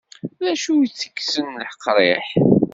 D acu itekksen leqriḥ?